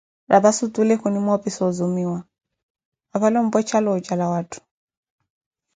Rapasi otule kunimoopisa ozumiwa, aphale ompwecha looja la watthu.